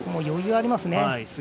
余裕ありますね。